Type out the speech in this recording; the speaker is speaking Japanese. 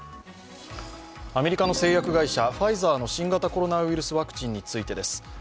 アメリカの製薬会社、ファイザーの新型コロナワクチンについてです。